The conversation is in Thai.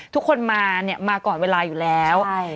ทุกคนมาเนี่ยมาก่อนเวลาอยู่แล้ว